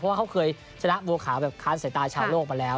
เพราะว่าเขาเคยชนะบัวขาวแบบค้านสายตาชาวโลกมาแล้ว